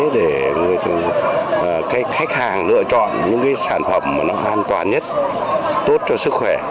để khách hàng lựa chọn những sản phẩm an toàn nhất tốt cho sức khỏe